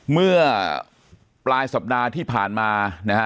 เมื่อปลายสัปดาห์ที่ผ่านมานะฮะ